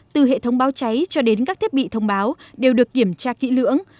từ hệ thống báo cháy cho đến các thiết bị thông báo đều được kiểm tra kỹ lưỡng